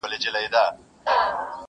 پروت زما په پښو کي تور زنځیر خبري نه کوي.